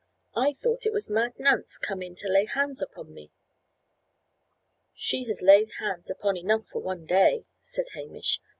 I thought it was Mad Nance come in to lay hands upon me." "She has laid hands upon enough for one day," said Hamish.